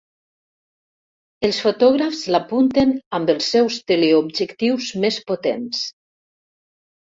Els fotògrafs l'apunten amb els seus teleobjectius més potents.